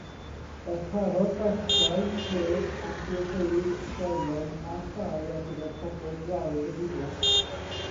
Darparodd barciau, ffyrdd, amgueddfeydd, ysgolion a thai ar gyfer pobl dlawd y ddinas.